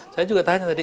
saya juga tanya tadi